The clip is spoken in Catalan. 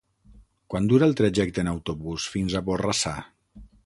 Quant dura el trajecte en autobús fins a Borrassà?